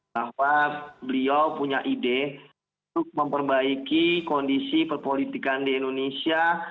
bahwa beliau punya ide untuk memperbaiki kondisi perpolitikan di indonesia